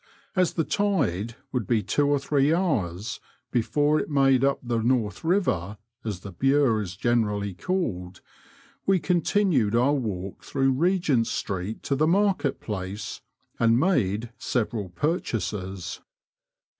As the tide would be two or three hours before it made up the North Biver, as the Bure is generally called, we continued our walk through Begent street to the Market place, and made several purchases.